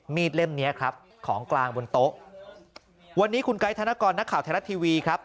เล่มเนี้ยครับของกลางบนโต๊ะวันนี้คุณไกด์ธนกรนักข่าวไทยรัฐทีวีครับ